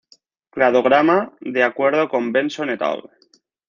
Cladograma de acuerdo con Benson "et al.